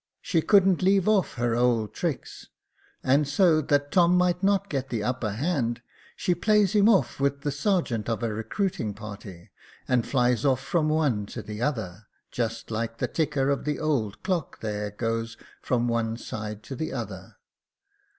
She couldn't leave off her old tricks ; and so, that Tom might not get the upper hand, she plays him off with the sergeant of a recruiting party, and flies ofi^ from one to the other, 400 Jacob Faithful just like the ticker of the old clock there does from one side to the other.